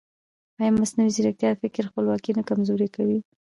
ایا مصنوعي ځیرکتیا د فکر خپلواکي نه کمزورې کوي؟